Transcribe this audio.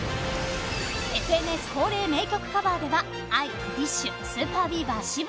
「ＦＮＳ」恒例名曲カバーではＡＩ、ＤＩＳＨ／／ＳＵＰＥＲＢＥＡＶＥＲ渋谷